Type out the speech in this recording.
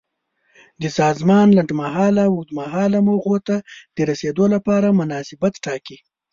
د سازمان لنډمهاله او اوږدمهاله موخو ته د رسیدو لپاره مناسبیت ټاکي.